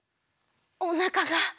おなかが。